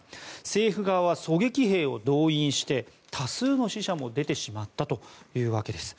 政府側は狙撃兵を動員して多数の死者も出てしまったというわけです。